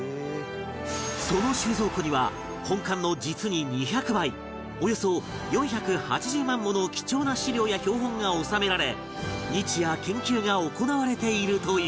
その収蔵庫には本館の実に２００倍およそ４８０万もの貴重な資料や標本が収められ日夜研究が行われているという